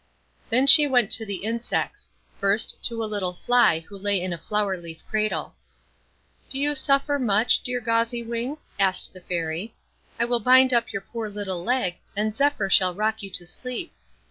Then she went to the insects; first to a little fly who lay in a flower leaf cradle. "Do you suffer much, dear Gauzy Wing?" asked the Fairy. "I will bind up your poor little leg, and Zephyr shall rock you to sleep."